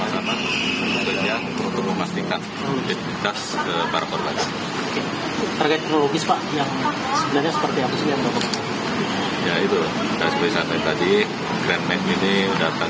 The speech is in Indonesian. sud ada waktu sempat bisa teridentifikasi